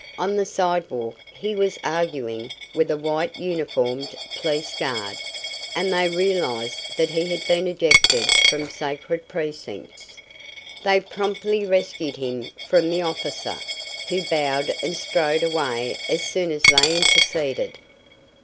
On the sidewalk he was arguing with a white uniformed police guard, and they realized that he had been ejected from sacred precincts. They promptly rescued him from the officer, who bowed and strode away as soon as they interceded.